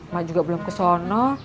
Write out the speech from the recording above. mak juga belum kesono